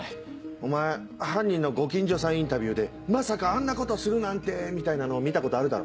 お前犯人のご近所さんインタビューで「まさかあんなことするなんて」みたいなの見たことあるだろ。